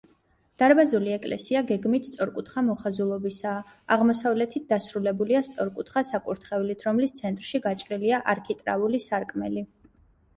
დარბაზული ეკლესია გეგმით სწორკუთხა მოხაზულობისაა, აღმოსავლეთით დასრულებულია სწორკუთხა საკურთხევლით, რომლის ცენტრში გაჭრილია არქიტრავული სარკმელი.